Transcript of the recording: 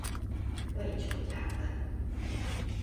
為求加分